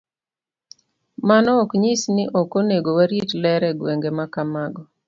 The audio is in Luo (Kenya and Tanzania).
Mano ok nyis ni ok onego warit ler e gwenge ma kamago.